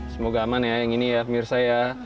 semoga aman ya yang ini ya pemirsa ya